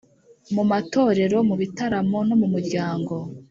mu matorero, mu bitaramo no mu muryango.